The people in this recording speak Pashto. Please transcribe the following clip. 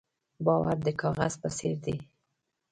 باور د کاغذ په څېر دی.